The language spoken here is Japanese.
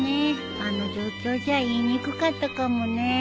あの状況じゃ言いにくかったかもね。